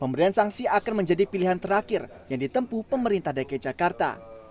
pemberian sanksi akan menjadi pilihan terakhir yang ditempu pemerintah dki jakarta